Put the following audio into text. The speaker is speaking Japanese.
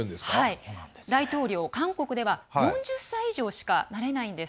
大統領、韓国では４０歳以上しかなれないんです。